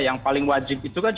yang paling wajib itu kan